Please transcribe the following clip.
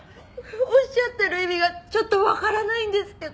おっしゃってる意味がちょっとわからないんですけど。